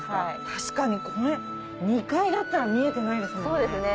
確かにこれ２階だったら見えてないですもんね。